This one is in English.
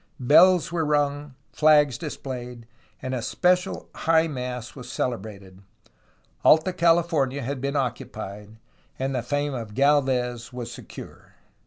Bells were rung, flags displayed, and a special high mass was celebrated. Alta California had been occupied — and the fame of Gdlvez was secure!